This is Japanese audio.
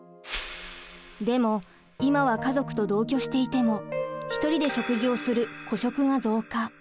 でも今は家族と同居していても１人で食事をする孤食が増加。